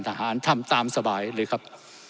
ท่านทหารทำตามสบายเลยครับ